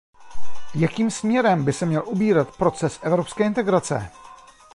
Jakým směrem by se měl ubírat proces evropské integrace?